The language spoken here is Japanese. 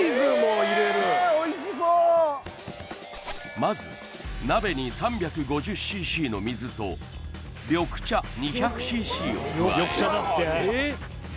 ええおいしそうまず鍋に３５０ｃｃの水と緑茶２００ｃｃを加えるええ